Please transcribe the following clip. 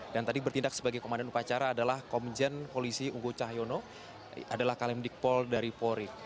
dan tadi bertindak sebagai komandan upacara adalah komjen polisi ugo cahyono adalah kalimdik pol dari polri